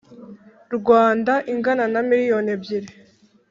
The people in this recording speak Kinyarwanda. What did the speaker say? Rwanda ingana na miliyoni ebyiri